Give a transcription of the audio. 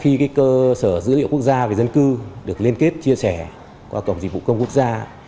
khi cơ sở dữ liệu quốc gia về dân cư được liên kết chia sẻ qua cổng dịch vụ công quốc gia